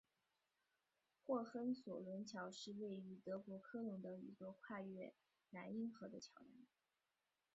霍亨索伦桥是位于德国科隆的一座跨越莱茵河的桥梁。